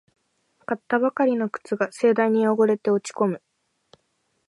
買ったばかりの靴が盛大に汚れて落ちこむ